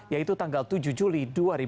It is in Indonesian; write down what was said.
yaitu tanggal tujuh juli dua ribu dua puluh